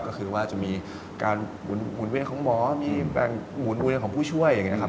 ก็คือว่าจะมีการหมุนเวียนของหมอมีแบ่งหมุนเวียนของผู้ช่วยอย่างนี้ครับ